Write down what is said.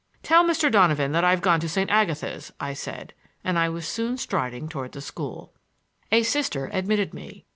"Tell Mr. Donovan that I've gone to St. Agatha's," I said, and I was soon striding toward the school. A Sister admitted me.